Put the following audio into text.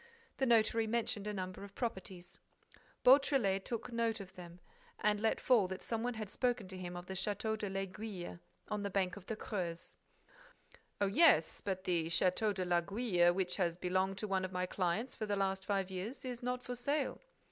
The notary mentioned a number of properties. Beautrelet took note of them and let fall that some one had spoken to him of the Château de l'Aiguille, on the bank of the Creuse. "Oh, yes, but the Château de l'Aiguille, which has belonged to one of my clients for the last five years, is not for sale."